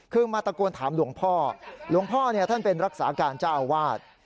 คือมาตะโกนถามหลวงพ่อหลวงพ่อท่านเป็นรักษาการเจ้าอาวาส